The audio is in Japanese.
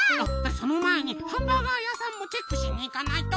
その前にハンバーガー屋さんもチェックしに行かないと。